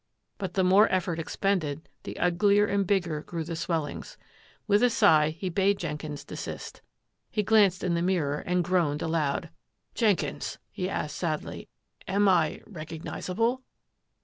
But the more effort expended, the uglier and bigger grew the swellings. With a sigh he bade Jenkins desist. He glanced in the mirror and groaned aloud. " Jenkins,'" he asked sadly, " am I — recognis able?